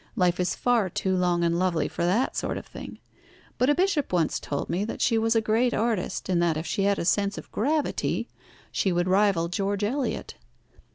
Life is far too long and lovely for that sort of thing; but a bishop once told me that she was a great artist, and that if she had a sense of gravity, she would rival George Eliot.